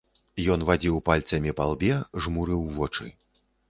Ён вадзіў пальцамі па лбе, жмурыў вочы.